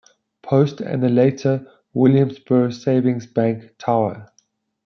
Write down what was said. Post, and the later Williamsburgh Savings Bank Tower.